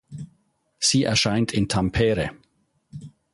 Sie erscheint in Tampere.